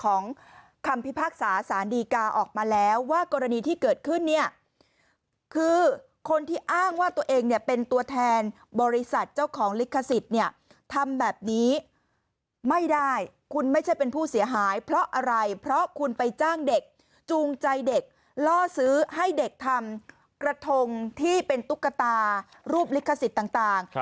ของคำพิพากษาสารดีกาออกมาแล้วว่ากรณีที่เกิดขึ้นเนี่ยคือคนที่อ้างว่าตัวเองเนี่ยเป็นตัวแทนบริษัทเจ้าของลิขสิทธิ์เนี่ยทำแบบนี้ไม่ได้คุณไม่ใช่เป็นผู้เสียหายเพราะอะไรเพราะคุณไปจ้างเด็กจูงใจเด็กล่อซื้อให้เด็กทำกระทงที่เป็นตุ๊กตารูปลิขสิทธิ์ต่าง